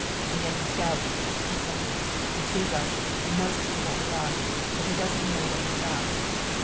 "A Yankee scout," he said. "He sees us and knows us for what we are, but he doesn't know what we're about."